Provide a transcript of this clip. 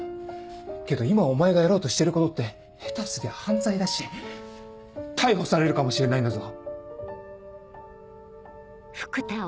けど今お前がやろうとしてることって下手すりゃ犯罪だし逮捕されるかもしれないんだぞ。